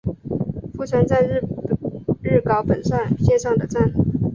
富川站日高本线上的站。